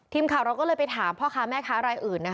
ทีมข่าวเราก็เลยไปถามพ่อค้าแม่ค้ารายอื่นนะคะ